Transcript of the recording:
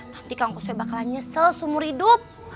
nanti kang kusoy bakalan nyesel seumur hidup